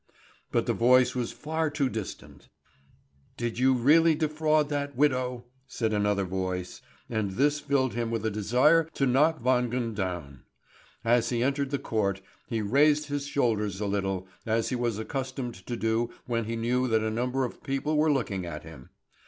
But the voice was far too distant. "Did you really defraud that widow?" said another voice; and this filled him with a desire to knock Wangen down. As he entered the court, he raised his shoulders a little, as he was accustomed to do when he knew that a number of people were looking at him.